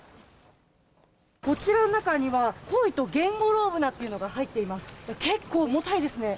こちらの中には、コイとゲンゴロウブナというのが入っています。